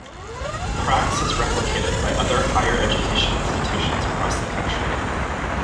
Praxe is replicated by other higher education institutions across the country.